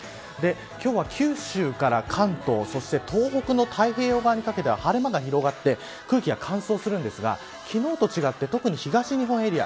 今日は九州から関東そして東北の太平洋側にかけては晴れ間が広がって空気が乾燥しますが、昨日と違って特に東日本エリア